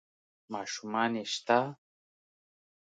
ـ ماشومان يې شته؟